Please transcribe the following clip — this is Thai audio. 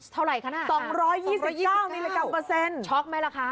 เท่าไหร่คะน่ะค่ะสองร้อยยี่สิบเก้านิลลิกรัมเปอร์เซ็นต์ช็อกไหมล่ะคะ